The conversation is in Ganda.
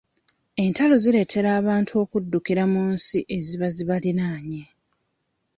Entalo zireetera abantu akuddukira mu nsi eziba zibaliraanye.